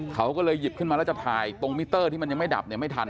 เขาก็เลยหยิบขึ้นมาแล้วจะถ่ายตรงมิเตอร์ที่มันยังไม่ดับเนี่ยไม่ทัน